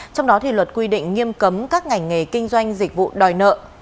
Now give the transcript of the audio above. trong đó thì luật quy định nghiêm cấm các ngành nghề kinh doanh dịch vụ đòi nợ